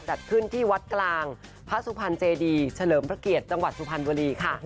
จัดขึ้นที่วัดกลางพระสุพรรณเจดีเฉลิมพระเกียรติจังหวัดสุพรรณบุรีค่ะ